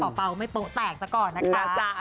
ถ้าเปล่าไม่โป๊ะแตกสักก่อนนะคะ